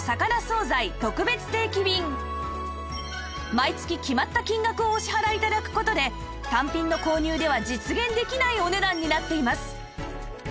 毎月決まった金額をお支払い頂く事で単品の購入では実現できないお値段になっています